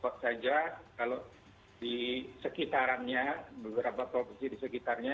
saja kalau di sekitarannya beberapa provinsi di sekitarnya